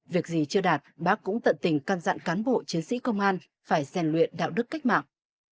việc gì chưa đạt bác cũng tận tình căn dặn cán bộ chiến sĩ công an phải rèn luyện đạo đức cách mạng